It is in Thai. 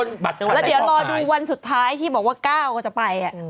แล้วเดี๋ยวรอดูวันสุดท้ายที่บอกว่าก้าวก็จะไป